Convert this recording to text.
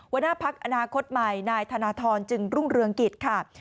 หัวหน้าพักอนาคตใหม่นายธนทรจึงรุ่งเรืองกิจค่ะ